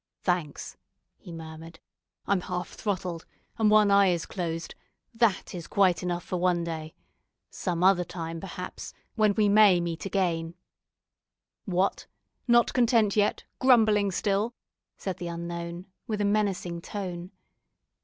"Thanks," he murmured; "I'm half throttled, and one eye is closed, that is quite enough for one day. Some other time, perhaps, when we may meet again " "What! not content yet, grumbling still?" said the unknown, with a menacing tone.